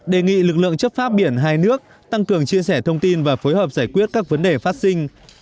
đề nghị lực lượng chấp pháp biển hai nước tăng cường chia sẻ thông tin và phối hợp giải quyết các vấn đề phát sinh